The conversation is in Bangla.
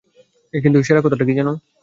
কিন্তু সেরা কথাটা কী, জানো?